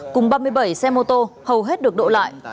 cùng ba mươi bảy xe mô tô hầu hết được độ lại